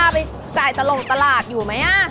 ไปจ่ายต่อหลงตลาดอยู่มั๊ยอะ